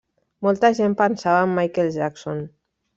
Molta gent pensava en Michael Jackson.